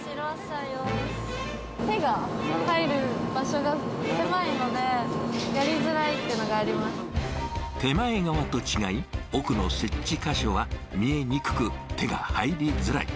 手が入る場所が狭いので、手前側と違い、奥の設置箇所は見えにくく、手が入りづらい。